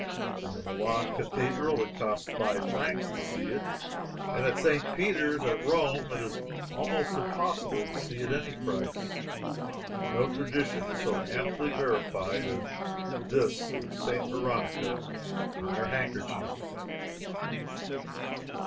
In the Milan cathedral it costs five francs to see it, and at St. Peter's, at Rome, it is almost impossible to see it at any price. No tradition is so amply verified as this of St. Veronica and her handkerchief.